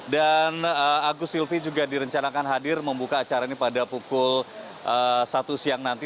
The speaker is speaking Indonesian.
dan agus silvi juga direncanakan hadir membuka acara ini pada pukul satu siang nanti